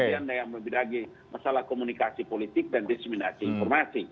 kemudian yang lebih lagi masalah komunikasi politik dan diseminasi informasi